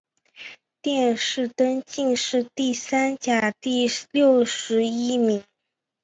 殿试登进士第三甲第六十一名。